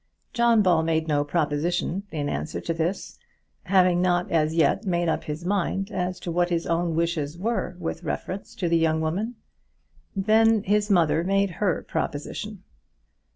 John Ball made no proposition in answer to this, having not as yet made up his mind as to what his own wishes were with reference to the young woman. Then his mother made her proposition.